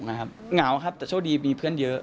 เหงาครับแต่โชคดีมีเพื่อนเยอะ